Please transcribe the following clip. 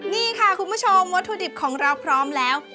นี่ค่ะคุณผู้ชมวัตถุดิบของเราพร้อมแล้ว